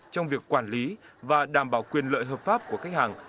trong việc quản lý và đảm bảo quyền lợi hợp pháp của khách hàng